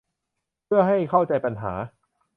เพื่อให้เข้าใจปัญหา